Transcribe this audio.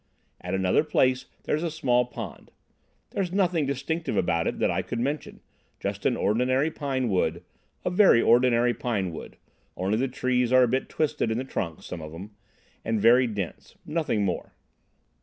At another place there's a small pond. There's nothing distinctive about it that I could mention—just an ordinary pine wood, a very ordinary pine wood—only the trees are a bit twisted in the trunks, some of 'em, and very dense. Nothing more.